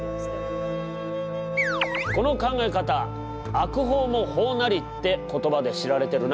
この考え方「悪法も法なり」って言葉で知られてるな。